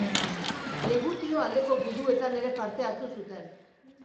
Legutio aldeko guduetan ere parte hartu zuten.